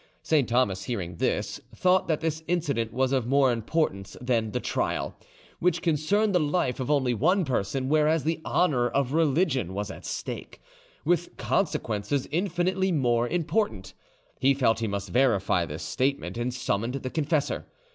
Saint Thomas, hearing this, thought that this incident was of more importance than the trial, which concerned the life of only one person, whereas the honour of religion was at stake, with consequences infinitely more important. He felt he must verify this statement, and summoned the confessor.